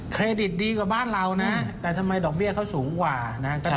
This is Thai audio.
เครดิตดีกว่าบ้านเรานะแต่ทำไมดอกเบี้ยเขาสูงกว่านะ